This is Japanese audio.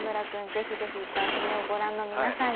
ぜひぜひ番組をご覧の皆さんに。